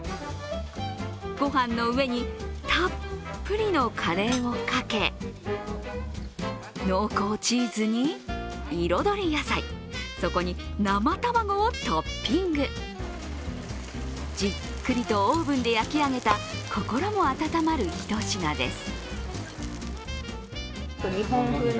ご飯の上にたっぷりのカレーをかけ、濃厚チーズに彩り野菜、そこに生卵をトッピングじっくりとオーブンで焼き上げた心も温まるひと品です。